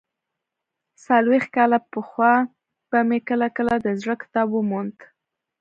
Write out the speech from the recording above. څلوېښت کاله پخوا به مې کله کله د زړه کتاب وموند.